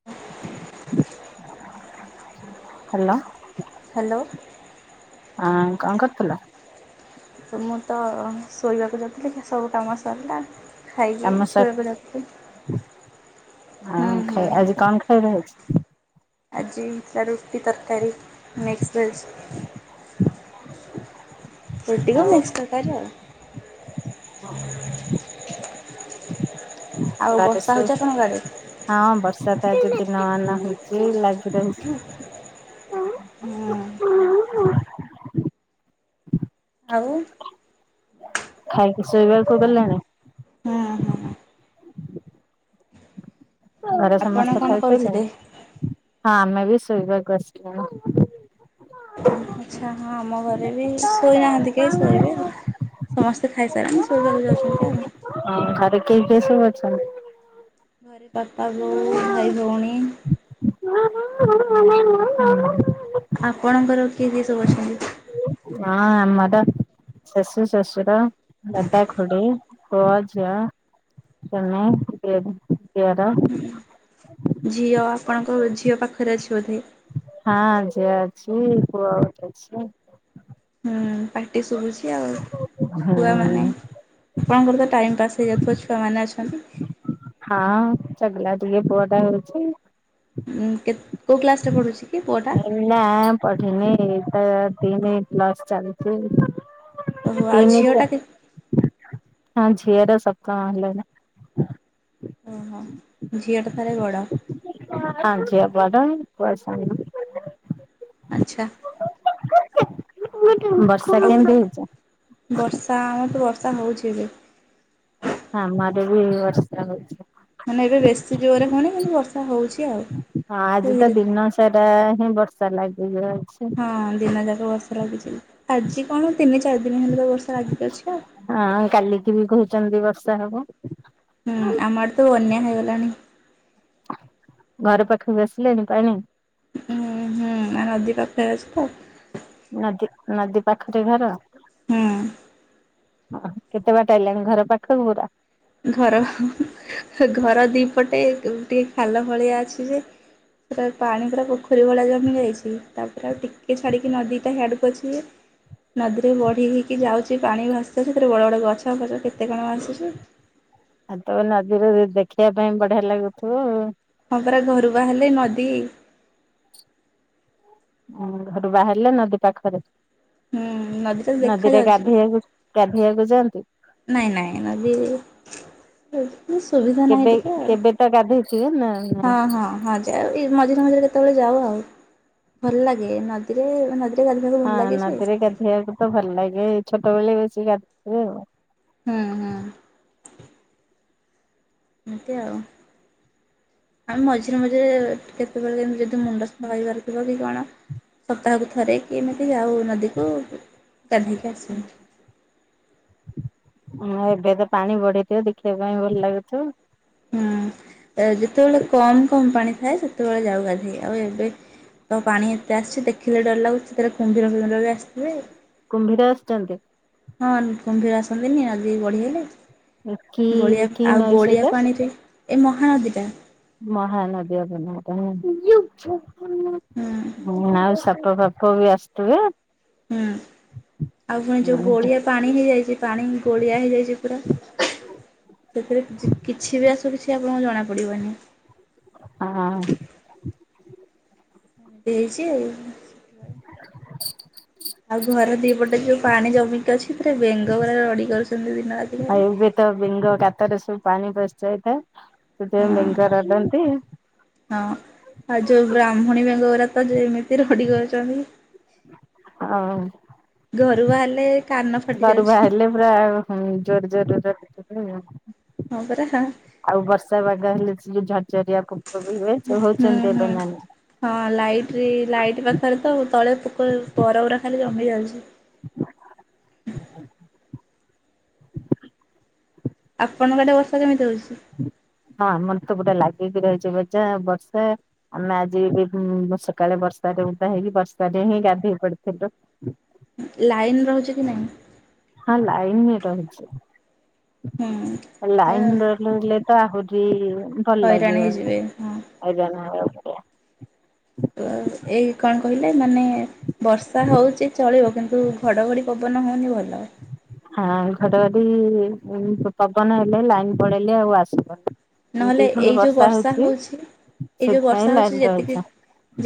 ଓହୋ। Hello. Hello. ହଁ କଣ କରୁଥିଲ। ତ ମୁଁ ତ ଶୋଇବାକୁ ଯାଉଥିଲି ସବୁ କାମ ସରିଲା। ଖାଇକି କାମ ସରି ସୋଇପଡିଆକୁ। ଆ ଖା ଆଜି କଣ ଖାଇବା ହେଇଛି। ଆଜି ହେଇଥିଲା ରୁଟି ତରକାରୀ ମିକ୍ସଭେଜ୍। ରୁଟି କୁ ଆଉ ମିକ୍ସତରକାରୀ ଆଉ। [inaudible] ଆଉ ଘରେ ବର୍ଷା ସୋ। ହେଉଛି ଆପଣଙ୍କ ଆଡ଼େ? ହଁ ବର୍ଷା ତ ଆଜି ଦିନମାନ ହେଇଛି ଲାଗି ରହିଛି। ହୁଁ। ଆଉ। ଖାଇକି ଶୋଇବାକୁ ଗଲଣି। ହୁଁ ହୁଁ। ଘରେ ଆପଣ ସମସ୍ତେ କଣ ଖାଇ କରୁଥିଲେ? ସାରିଲେଣି ହଁ ଆମେ ବି ଶୋଇବାକୁ ଆସିଲୁଣୁ। ଆଚ୍ଛା ହଁ ଆମ ଘରେ ବି ଶୋଇନାହାନ୍ତି କେହି ଶୋଇବେ ଆଉ। ସମସ୍ତେ ଖାଇସାରନ୍ତି ଶୋଇବାକୁ ଯାଉଛନ୍ତି ଆଉ। ହଁ ଘରେ କେ କେ ସବୁ ଅଛନ୍ତି। ଘରେ ପାପା ବୋଉ ଭାଇ ଭଉଣୀ। ଆପଣଙ୍କର କିଏ କିଏ ସବୁ ଅଛନ୍ତି। ହଁ ଆମର। ଶାଶୁ ଶ୍ୱଶୁର ଦାଦା ଖୁଡି ପୁଅ ଝିଅ। ସ୍ୱାମୀ ଦି ଦିଅର। ଝିଅ ଆପଣଙ୍କ ଝିଅ ପାଖରେ ଅଛି ବୋଧେ। ହଁ ଝିଅ ଅଛି ପୁଅ ଅଛି। ହୁଁ ପାଟି ଶୁଭୁଛି ଆଉ ଛୁଆ ମାନେ। ହୁଁ ଆପଣଙ୍କର ତ ଟାଇମ୍ ପାସ୍ ହେଇଯାଉଥିବ ଛୁଆମାନେ ଅଛନ୍ତି। ହଁ ଚଗଲା ଟିକେ ପୁଅ ଟା ହଉଛି। ହୁଁ କେ କୋଉ କ୍ଲାସରେ ପଢ଼ୁଛି କି ପୁଅଟା। ନା ପଠିନି ତ ତିନି ପ୍ଲସ ଚାଲିଛି। ଓହୋ ଆଉ ତିନ ଝିଅଟା କେ ହ ଝିଅର ସପ୍ତମ ହେଲାଣି। ଓହୋ ଝିଅଟା ତାହାଲେ ବଡ। ହଁ ଝିଅ ବଡ଼ ପୁଅ ସାନ। ଆଚ୍ଛା। ବ ଆଉ ବର୍ଷା ଆମର ତ ବର୍ଷା ହେଉଛି ଏବେ। ହଁ ଆମେ ଆଡେ ବି ବର୍ଷା ହୋଉଛି। ମାନେ ଏବେ ବେଶୀ ଜୋରରେ ହଉନି କିନ୍ତୁ ବର୍ଷା ହେଉଛି ଆଉ। ହଁ ଆଜି ତ ଧୀରେ ଦିନ ସାରା ହିଁ ବର୍ଷା ଲଗିକିରହିଚି। ହଁ ଦିନ ଯାକ ବର୍ଷା ଲାଗିଯିବ ଆଜି କଣ ତିନି ଚାରି ଦିନ ହେଲେ ବର୍ଷା ଲାଗିକି ଅଛି ଆଉ। ହଁ କାଲିକି ବି କହୁଛନ୍ତି ବର୍ଷା ହବ। ହୁଁ ଆମ ଆଡେ ତ ବନ୍ୟା ହେଇଗଲାଣି। ଘର ପାଖକୁ ଆସିଲେଣି ପାଣି। ନା ନଦୀ ପାଖ ଅଛି ତ। ନଦୀ ନଦୀ ପାଖରେ ଘର। ହୁଁ। ଓହ କେତେ ବାଟ ହେଲାଣି ଘର ପାଖକୁ ପୁରା। ଘର ଘର ଦିପଟେ ଟିକେ ଖାଲ ଭଳିଆ ଅଛି ଯେ ପାଣି ପୁରା ପୋଖରୀ ଭଳି ଜମି ଯାଇଛି ତାପରେ ଆଉ ଟିକେ ଛାଡ଼ିକି ନଦୀଟା ହିଆଡକୁ ଅଛି ଯେ ନଦୀରେ ବଢି ହେଇକି ଯାଉଛି ପାଣି ଭାସି ଯାଉଛି ସେଥିରେ ବଡ ବଡ ଗଛ ଫଛ କେତେ କଣ ଭାସିଛି। ଆଉ ତମ ନଦୀରୁ ଦେଖିବା ପାଇଁ ବଢିଆ ଲାଗୁଥିବ। ହଁ ପରା ଘରୁ ବାହାରିଲେ ନଦୀ। ଉ ଘରୁ ବାହାରିଲେ ନଦୀ ପାଖରେ ହୁଁ ନଦୀ ଟା ନଦୀରେ ଦେଖାଯାଉଛି। ଗାଧୋଇକୁ ଗାଧୋଇବାକୁ ଯାଆନ୍ତୁ। ନାଇଁ ନାଇଁ ନଦି। ସୁବିଧା ନାହିଁ କେବେ ଟିକେ ଆଉ କେବେ ତ ଗାଧେଇଥିବେ ନା ନାଇଁ। ହଁ ହଁ ହଁ। ଏ ମଝିରେ ମଝିରେ କେତେବେଳେ ଯାଉ ଆଉ ଭଲ ଲାଗେ ନଦୀରେ ଗାଧୋଇବାକୁ ଭଲ ହଁ ଲାଗେ ଯେ ନଦୀରେ ଗାଧୋଇବାକୁ ତ ଭଲ ଲାଗେ ଛୋଟବେଳେ ବେଶି ଗାଧୁେ ଆଉ। ହଁ ହଁ। ଏମିତି ଆଉ ଆମେ ମଝିରେ ମଝିରେ କେ ଯଦି ମୁଣ୍ଡା ସଫା କରିବାର ଥିବ କି କଣ। ସପ୍ତାହକୁ ଥରେ କିି ଏମିତି ଆଉ ନଦୀକୁ ଗାଧେଇକି ଆସୁ। ହଁ ଏବେ ତ ପାଣି ବଢେଇଥିବ ଦେଖିବା ପାଇଁ ଭଲ ଲାଗୁଥିବ। ହୁଁ ଯେତେବେଳେ କମ କମ ପାଣି ଥାଏ ସେତେବେଳେ ଯାଉ ଗାଧେଇ ଆଉ ଏବେ ତ ପାଣି ଏତେ ଆସିଛି ଦେଖିଲେ ଡର ଲାଗୁଛି ସେଥିେରେ କୁମ୍ଭୀର ଫୁମ୍ବିର ବି ଆସିଥିବେ। କୁମ୍ଭୀର ଆସିଚନ୍ତି। ହଁ କୁମ୍ଭୀର ଆସନ୍ତିନି ନଦୀ ବଢି ହେଲେ। କି ଗୋଳିଆ କି ଆଉ ନଈ ଗୋଳିଆ ସେଇଟା? ପାଣିରେ ଏଇ ମହାନଦୀ ଟା। ମହାନଦୀ ଆଉ ବନ୍ୟାପାଣି ହୁଁ [unintelligible] ସାପ ଫାପ ବି ଆସିୁଥିବେ। ହୁଁ ଆଉ ପୁଣି ଯୋଉ ହଁ ଗୋଳିଆ ପାଣି ପାଣି ହେଇଯାଇଛି ପାଣି ଗୋଳିଆ ହେଇଯାଇଛି ପୁରା। ସେଥିରେ କିଚି କିଛି ବି ଆସୁ କିଛି ଆପଣଙ୍କୁ ଜଣାପଡ଼ିବନି। ହଁ। ଦେଇଛି ଆଉ। ଆଉ ଘରେ ଦି ପଟେ ଯୋଉ ପାଣି ଜମିକି ଅଛି ସେଥିରେ ବେଙ୍ଗ ପୁରା ରଡି କରୁଛନ୍ତି ଦିନ ରାତି। ଆଉ ଖାଲି। ଏବେ ତ ବେଙ୍ଗ ଗାତରେ ସବୁ ପାଣି ପଶଯାଇଥାଏ ସେଥିପାଇଁ ହଁ ବେଙ୍ଗ ରଡନ୍ତି। ହଁ ଆଉ ଯୋଉ ବ୍ରାହ୍ମଣୀ ବେଙ୍ଗଗୁରା ତ ଯେମିତି ରଡି କରଛନ୍ତି। ହଁ। ଘରୁ ବାହାରିଲେ। କାନ ଫାଟି ଘରୁ ଯାଉଛି ବାହାରିଲେ ପୁରା ହୁଁ ଜୋର ଜୋର ରେ। [unintelligible] ହଁ ପରା ହଁ। ଆଉ ବର୍ଷା ପାଗ ହେଲେ ସେ ଯୋଉ ଝରଝରିଆ ପୋକ ବି ହୁଏ ସେ ହଉଛନ୍ତି ଏବେ ହୁଁ। ନା ନାହିଁ। ହଁ ଲାଇଟରେ ଲାଇଟ୍ ପାଖରେ ତ ତଳେ ପୋକ ପର ଉରା ଖାଲି ଜମି ଯାଉଛି। [inaudible] ଆପଣଙ୍କ ଆଡେ ବର୍ଷା କେମିତି ହଉଛି। ହଁ ଆମରତ ପୁରା ଲାଗିକି ରହିଛି ବଚା ବର୍ଷା। ଆମେ ଆଜି ଏମ୍ ସକାଳେ ବର୍ଷାରେ ଓଦା ହେଇକି ବର୍ଷାରେ ହିଁ ଗାଧେଇ ପଡିଥିଲୁ। ଲାଇନ ରହୁଛି କି ନାଇଁ। ହଁ ଲାଇନ ରହୁଛି। ହୁଁ। ଲାଇନ ନ ରହିଲେ ତ ଆହୁରି ଭଲ ହଇରାଣ ଲାଗିବନି ହେଇଯିବେ ହଁ। ହଇରାଣ ହେବାକୁ ପଡ଼ିବ। ଏଇ କଣ କହିଲେ ମାନେ ବର୍ଷା ହଉଚି ଚଳିବ କିନ୍ତୁ ଘଡଘଡି ପବନ ହଉନି ଭଲ। ହଁ ଘଟଘଡି ପବନ ହେଲେ ଲାଇନ ପଳେଇଲେ ଆଉ ଆସିବନି। ନହେଲେ ଏଇ ଯୋଉ ବର୍ଷା ହଉଛି ଏଇ ଯୋଉ ସେଥିପାଇଁ ବର୍ଷା ଲାଇନ ହଉଛି ଯେତିକି ରହିଛି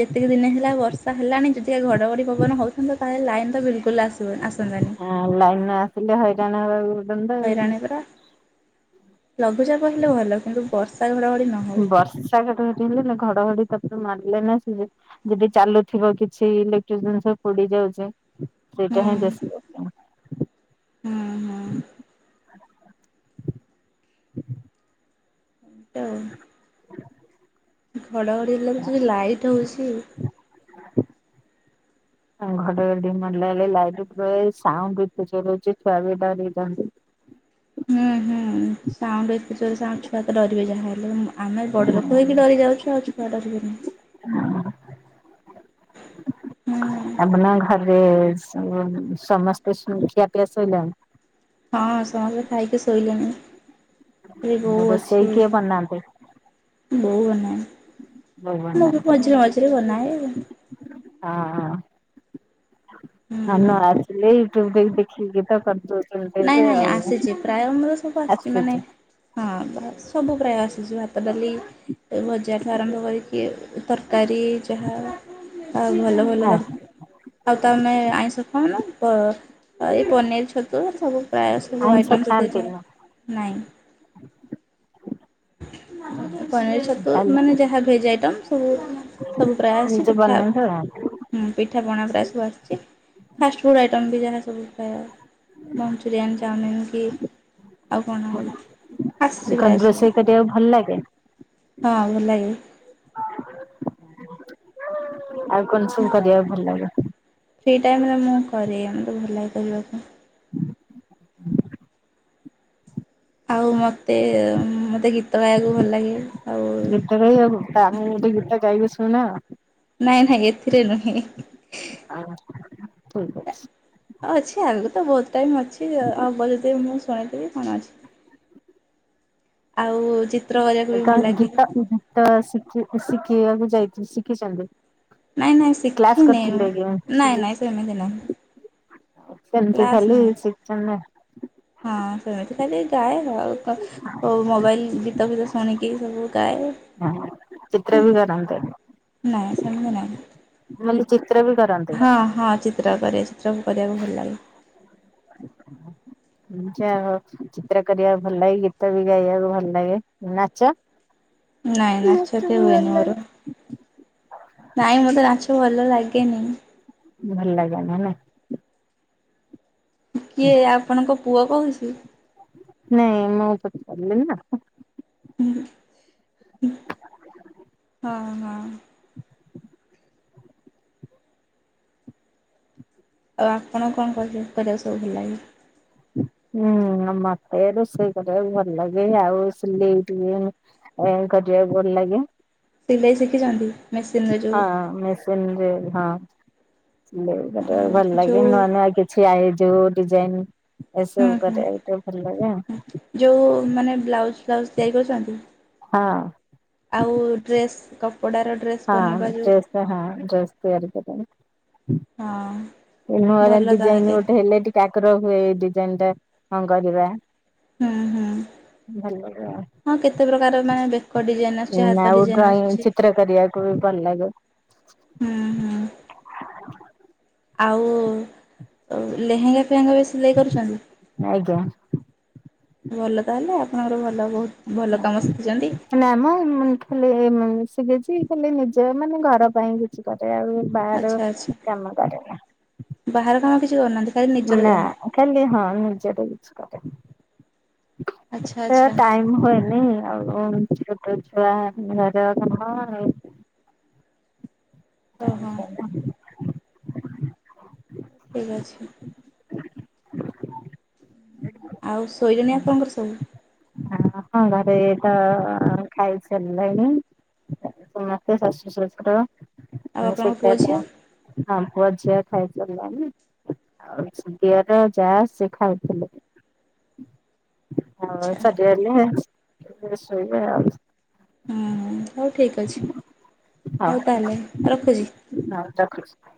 ଯେତିକି ଦିନି ହେଲା ବର୍ଷା ହେଲାଣି ଯଦିବା ଘଡ଼ଘଡ଼ି ପବନ ହଉଥାନ୍ତା ତାହେଲେ ଲାଇନ ତ ବିଲକୁଲ ଆସ ଆସନ୍ତାନି। ହଁ ଲାଇନ ନ ଆସିଲେ ହଇରାଣ ହେବାକୁ ପଡନ୍ତା ହଇରାଣୀ ଆଉ। ପରା ଲଘୁଚାପ ହେଲେ ଭଲ କିନ୍ତୁ ବର୍ଷା ଘଡଘଡ଼ି ବର୍ଷା ଘଡ ଘଡି ହେଲେ ନା ଘଡଘଡି ତାପରେ ମାରିଲେ ନାଇ କି ଯେ ଯଦି ଚାଲୁଥିବ କିଛି ଇଲେକ୍ଟ୍ର ଜିନିଷ ପୋଡି ଯାଉଛି ହୁଁ ସେଇଟା ହିଁ ବେଶୀ ହୁଁ ହୁଁ। ଉ ଘଡ଼ଘଡ଼ି ହେଲାରୁ ଯୋଉ ଲାଇଟ୍ ହଉଛି। ଘଡ ଘଡି ମାରିଲା ବେଳେ ଲାଇଟ ପଳେଇଯାଉଚି ସାଉଣ୍ଡ ଏତେ ଜୋରେ ହଉଚି ଛୁଆ ବି ଡରିଛନ୍ତି। ହୁଁ ହୁଁ। ସାଉଣ୍ଡ ଏତେ ଜୋରେ ସାଉଣ୍ଡ ଛୁଆ ତ ଡିରିବେ ଯାହା ହେଲେବି ନା ଆମେ ବଡ ଲୋକ ହେଇକି ଡରି ଯାଉଛୁ ଆଉ ଛୁଆ ଛୁଆ ଡରିବେନି। ହୁଁ ତମ ଘରେ ସ ସମସ୍ତେ ଖିଆପିଆ ଶୋଇଲାଣି। ହଁ ସମସ୍ତେ ଖାଇକି ଶୋଇଲେଣି ଏଇ ବୋଉ ରୋଷେଇ ଅଛି। କିଏ ବନାନ୍ତି? ବୋଉ ବୋଉ ବନାଏ ମୁଁ ବି ବନାନ୍ତି ମଝିରେ ମଝିରେ ବନାଏ। ହଁ ହଁ ହଁ ନୂଆଯ ସିଲେଇ ୟୁଟ୍ୟୁବ ଦେଖି ଦେଖିକି କିତ କରିଦଉଛି। ନାଇଁ ନାଇଁ ଆସିଛି ପ୍ରାୟ ଆମର ସବୁ ଆସିଛି ମାନେ ଆସୁଛି ହଁ ସବୁ ପ୍ରାୟ ଆସିଛି ବା କଦଳୀ ଭଜା ଠୁ ଆରମ୍ଭ କରିକି ତରକାରୀ ଯାହା ଆଉ ଭଲ ଭଲ ଦର ଆଉ ତମେ ଆଇଁଷ ଖାଉନ, ପ ଏଇ ପନିଆରୀ ଛ ତୁ ସବୁ ପ୍ରାୟ ସବୁ ଆଇଁଷ ଆଇଟମ୍ସ [unintelligible] ଖାଆନ୍ତିନି ଯାଏ ନାଇଁ। [inaudible] ପନିର ଛତୁ, ମାନେ ଖାଲି ଯାହା ଭେଜ୍ ଆଇଟମ୍ ସବୁ ସବୁ ପ୍ରାୟ ଆସେ, ନିଜେ ପିଠା ବନାନ୍ତି ହୁଁ ପିଠାପଣା ପ୍ରାୟ ସବୁ ଆସିଛି, ଫାଷ୍ଟଫୁଡ଼୍ ଆଇଟମ୍ ବି ଯାହା ସବୁ ଖା ମଞ୍ଚୁରିଆନ୍, ଚାଉମିିନ କି ଆଉ କଣ ଆଉ ଆସିଛି କଣ ପ୍ରାୟ ସବୁ। [unintelligible] ଭଲ ଲାଗେ? ହଁ ଭଲ ଲାଗେ। ଆଉ କଣ ସବୁ କରିଆକୁ ଭଲ ଲାଗେ? ଫ୍ରି ଟାଇମ୍ ରେ ମୁଁ କରେ, ମୋତେ ଭଲ ଲାଗେ କରିବାକୁ। [inaudible] ଆଉ ମତେ, ମତେ ଗୀତ ଗାଇଆକୁ ଭଲ ଲାଗେ। ଆଉ ଗୀତ ଗାଇଆକୁ, ତାହେଲେ ଗୋଟେ ଗୀତ ଗାଇ ଶୁଣାଅ। ନାଇଁ ନାଇଁ ଏଥିରେ ନୁହେଁ। ଆ ଠିକ୍ ଅଛି। ଉ ଅଛି ଆଗକୁ ତ ବହୁତ ଟାଇମ୍ ଅଛି ଆଉ, ବଜେଇଦବି ମୁଁ ଶୁଣେଇଦେବି କଣ ଅଛି। ଆଉ ଚି ଗୀତ, ଗୀତ ଶିଖି ଶିଖିବାକୁ ଯାଇ ଶିଖିଛନ୍ତି। ନାଇଁ ନାଇଁ କ୍ଲାସ୍ ଶିଖିନି ମୁଁ କରିଥିଲେ ନାଇଁ ଆଜ୍ଞା। ନାଇଁ ସେମିତି ନାହିଁ ସେମିତି କ୍ଲାସ୍ ଖାଲି ନାହିଁ। ଶିଖାନ୍ତି। ହଁ ସେମିତି ଖାଲି ଗାଏ ଆଉ, କ ସବୁ ମୋବାଇଲ୍, ଗୀତ ଫୀତ ଶୁଣିକି ସବୁ ଗାଏ। ହଁ ଚିତ୍ର ଉଁ ବି କରନ୍ତି ନାଇଁ ସେମିତି ନାଇଁ। ମାନେ ଚିତ୍ର ବି କରନ୍ତି? ହଁ ହଁ ଚିତ୍ର କରେ, ଚିତ୍ର ବି କରିବାକୁ ଭଲ ଲାଗେ। ଆଚ୍ଛା। ଯ ଚିତ୍ର କରିବାକୁ ଭଲ ଲାଗେ, ଗୀତ ବି ଗାଇବାକୁ ଭଲ ଲାଗେ। ନାଚ? [inaudible] ନାଇଁ ନାଚ ଏତେ ହୁଏନି ମୋର। ଭଲ ନାଇଁ ମତେ ନାଚ ଭଲ ଲାଗେନି। ଭଲ ଲାଗେନା ନା। ନା କିଏ ଆପଣଙ୍କ ପୁଅ କହୁଛି? ନାଇଁ ମୁଁ ପଚାରିଲି ନା। ହଁ- ହଁ। ଆଉ ଆପଣଙ୍କୁ କଣ କରି କରିଆକୁ ସବୁ ଭଲ ଲାଗେ? ହୁଁ ମତେ ରୋଷେଇ କରିଆକୁ ଭଲ ଲାଗେ, ଆଉ ସିଲେଇ ବି କରିଆକୁ ଭଲ ଲାଗେ। ସିଲେଇ ଶିଖିଚନ୍ତି? ହଁ ମେସିନରେ, ହଁ ସିଲେଇ କରିଆକୁ ଭଲ ଲାଗେ। ଯୋଉ ନହେଲେ ଆଗେ ଛୁଆଙ୍କ ଯୋଉ ଡିଜାଇନ୍, ହୁଁ ଏସବୁ ହୁଁ କରିଆକୁ ଟିକେ ଭଲ ଲାଗେ ଆଉ। ଯୋଉ ମାନେ ବ୍ଲାଉଜ୍ ଫ୍ଲାଉଜ୍ ତିଆରି କରୁଚନ୍ତି? ହଁ। ଆଉ ଡ୍ରେସ୍, କପଡାର ଡ୍ରେସ୍ ହଁ ବନେଇବା ଯୋଉ ଡ୍ରେସ୍ ତ, ହଁ ଡ୍ରେସ୍ ତିଆରି କରେ। ହଁ ନୂଆ ନୂଆ ଭଲ ଡିଜାଇନ୍ ତାହେଲେ ଗୋଟେ ହେଲେ ଟି ତାପରେ ଡିଜାଇନ୍ ଟା କଣ କରିବା? ହୁଁ ହୁଁ ଭଲ ଲାଗିବ ଆଉ। ହଁ କେତେ ପ୍ରକାର ମାନେ ବେକ ଡିଜାଇନ୍ ଆସୁଚି ହାତ ଡିଜାଇନ୍ ଆସୁଚି। କରିଆକୁ ବି ଭଲ ଲାଗେ। ହୁଁ ହୁଁ ଆଉ ଅ ଲେହେଙ୍ଗା ଫେହେଙ୍ଗା ବି ସିଲେଇ କରୁଚ଼ନ୍ତି? ଆଜ୍ଞା। ଭଲ ତାହେଲେ ଆପଣଙ୍କର ଭଲ ବହୁତ୍ ଭଲ କାମ ଶିଖିଚନ୍ତି। ନା ମ ମୁଁଇ ଖାଲି ଶିଖିଚି ଖାଲି ନିଜ ମାନେ ଘର ପାଇଁ କିଛି କରେ ଆଉ ବାହାର ଆଚ୍ଛା ଆଚ୍ଛା କାମ କରେନା। ବାହାର କାମ କିଛି କରୁନାହାନ୍ତି? ଖାଲି ନିଜର ନା ଯାହା ଖାଲି ହଁ ନିଜର କିଛି କରେ। ଆଚ୍ଛା ସେ ଆଚ୍ଛା ଟାଇମ୍ ହୁଏନି। ଆଉ ଛୋଟ ଛୁଆ ଘର କାମ ଆଉ? ଅ ହଁ। ଠିକ୍ ଅଛି। ଆଉ ଶୋଇରେଣି ଆପଣଙ୍କର ସବୁ? ହଁ ହଁ ଘରେ ତ ଖାଇ ସାଲେଣି। ସମସ୍ତେ ଶାଶୁ, ଶୁର ଆଉ ଆପଣଙ୍କ ପୁଅ ଝିଅ [unintelligible] ଆ ପୁଅ, ଝିଅ ଖାଇ ସରିଲେଣି? ଆଉ ଛ [unintelligible] ଦିଅର, ଯା ସେ ଖାଉଥିଲେ। ଆଉ ଆଚ୍ଛା [unintelligible] ଶୋଇବେ ଆଉ। ଉୁଁ ହଉ ଠିକ୍ ଅଛି ହଉ ତାହେଲେ ରଖୁଚି? ହଉ ରଖୁଚି।